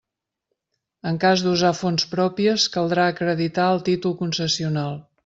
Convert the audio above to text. En cas d'usar fonts pròpies caldrà acreditar el títol concessional.